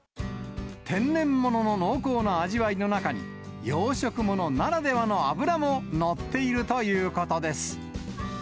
天然ものの濃厚な味わいの中に、養殖ものならではの脂も乗っているということです。